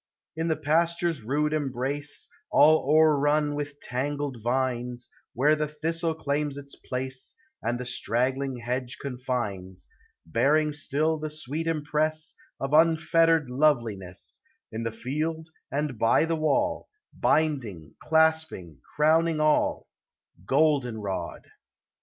In the pasture's rude embrace, All o'errun with tangled vines, Where the thistle claims its place, And the straggling hedge confines, Bearing still the sweet impress Of unfettered loveliness, In the field and by the wall, Binding, clasping, crowning all, — Goldenrod